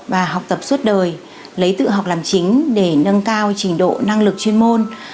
và học tập suốt đời lấy tự học làm chính để nâng cao trình độ năng lực chuyên môn